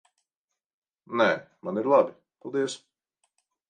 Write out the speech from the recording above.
Nē, man ir labi. Paldies.